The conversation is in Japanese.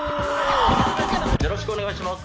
よろしくお願いします。